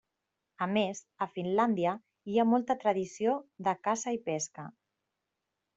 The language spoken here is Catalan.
A més, a Finlàndia hi ha molta tradició de caça i pesca.